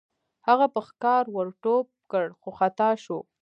هغه په ښکار ور ټوپ کړ خو خطا شو.